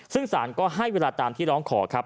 ซึ่งสารก็ให้เวลาตามที่ร้องขอครับ